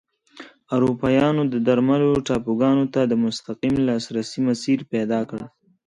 اروپایانو درملو ټاپوګانو ته د مستقیم لاسرسي مسیر پیدا کړ.